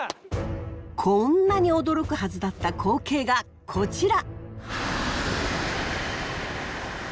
こんなに驚くはずだった光景がこちら！